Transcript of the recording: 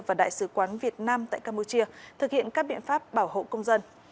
và đại sứ quán việt nam tại campuchia thực hiện các biện pháp bảo hộ công dân